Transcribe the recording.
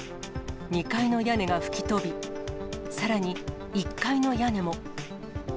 ２階の屋根が吹き飛び、さらに１階の屋根も。